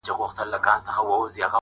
یادونه دي پر سترګو مېلمانه سي رخصتیږي،